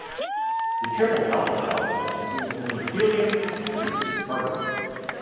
The triple-alpha process consumes only helium, and produces carbon.